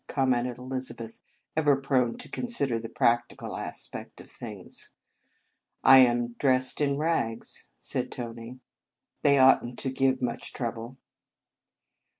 " commented Elizabeth, ever prone to consider the practical aspect of things. " I am dressed in rags," said Tony. " They ought n t to give much trou ble."